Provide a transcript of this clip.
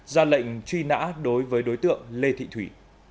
ra lệnh truy nã đối với đối tượng lê thị thủy